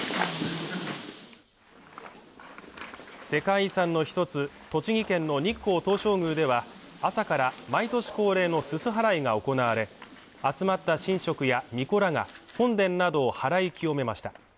世界遺産の一つ栃木県の日光東照宮では朝から毎年恒例のすす払いが行われ集まった神職や巫女らが本殿などを祓い清めました